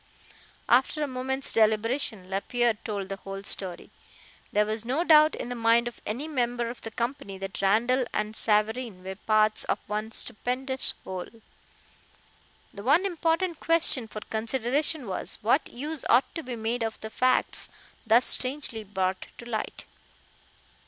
After a moment's deliberation, Lapierre told the whole story. There was no doubt in the mind of any member of the company that Randall and Savareen were "parts of one stupendous whole." The one important question for consideration was: What use ought to be made of the facts thus strangely brought to light?